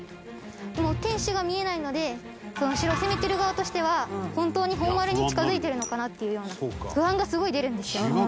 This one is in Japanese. もう天守が見えないので城を攻めてる側としてはホントに本丸に近づいてるのかなっていうような不安がすごい出るんですよ。